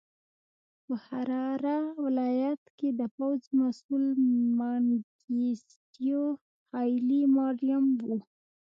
په حراره ولایت کې د پوځ مسوول منګیسټیو هایلي ماریم و.